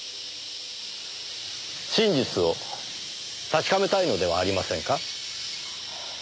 真実を確かめたいのではありませんか？